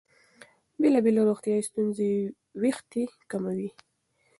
بېلابېلې روغتیايي ستونزې وېښتې کموي.